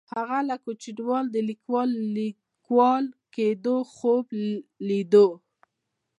هغه له کوچنیوالي د لیکوال کیدو خوب لیده.